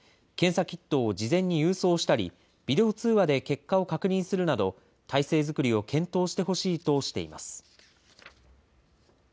検査キットを事前に郵送したり、ビデオ通話で結果を確認するなど、態勢作りを検討してほしいとしています。